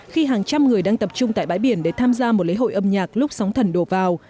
khi hàng trăm người đang tập trung tại bãi biển để tham gia một lễ hội âm nhạc lúc sóng thần đổ vào